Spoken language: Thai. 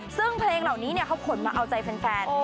ซึ่งเพลงเหล่านี้เขาขนมาเอาใจแฟน